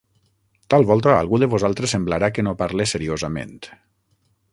Tal volta a algú de vosaltres semblarà que no parle seriosament;